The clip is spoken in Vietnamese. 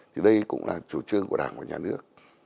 thì đây cũng là chủ trương của đảng và nhà nước